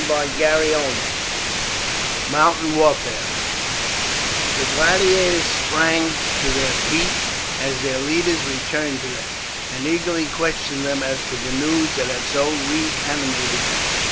CHAPTER XX: MOUNTAIN WARFARE The gladiators sprang to their feet as their leaders returned to them, and eagerly questioned them as to the news that had so reanimated them.